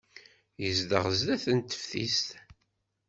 Yezdeɣ sdat teftist.